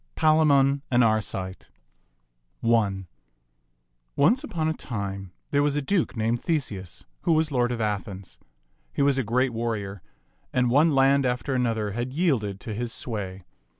PALAMON AND ARCITE ONCE upon a time there was a duke named The seus who was lord of Athens. He was a great warrior, and one land after another had yielded to his sway.